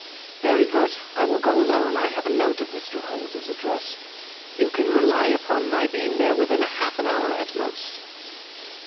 "Very good. I will go alone. I have a note of Mr. Holmes's address. You can rely upon my being there within half an hour at most."